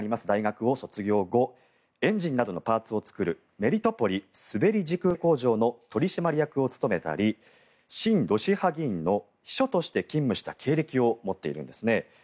大学を卒業後エンジンなどのパーツを作るメリトポリ滑り軸受工場の取締役を務めたり親ロシア派議員の秘書として勤務した経歴を持っているんですね。